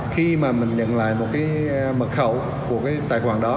khi mà mình nhận lại một cái mật khẩu của cái tài khoản đó